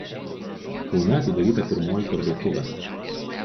Kaune atidaryta pirmoji parduotuvė.